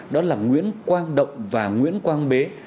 đó là nguyễn quang động và nguyễn quang bế